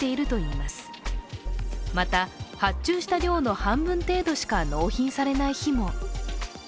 また、発注した量の半分程度しか納品されない日も。